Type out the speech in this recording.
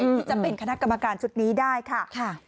ที่จะเป็นคณะกรรมการชุดนี้ได้ค่ะ